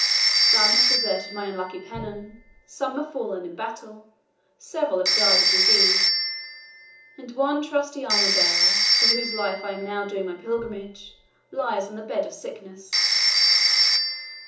Some have deserted my unlucky pennon some have fallen in battle several have died of disease and one trusty armour bearer, for whose life I am now doing my pilgrimage, lies on the bed of sickness."